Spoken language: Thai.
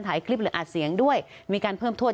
ถ่ายคลิปหรืออัดเสียงด้วยมีการเพิ่มโทษ